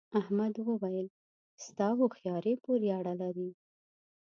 احمد وويل: ستا هوښیارۍ پورې اړه لري.